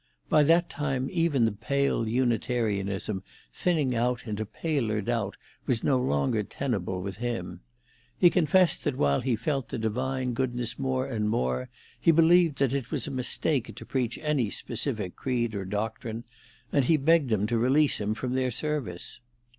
By that time even the pale Unitarianism thinning out into paler doubt was no longer tenable with him. He confessed that while he felt the Divine goodness more and more, he believed that it was a mistake to preach any specific creed or doctrine, and he begged them to release him from their service.